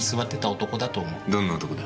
どんな男だ？